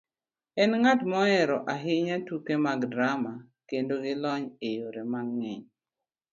enng'at mohero ahinya tuke mag drama, kendo gi lony e yore mang'eny.